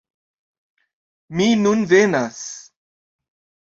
Mi nun venas!